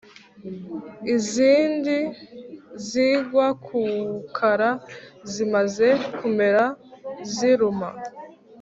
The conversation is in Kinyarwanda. Izindi zigwa ku kara zimaze kumera ziruma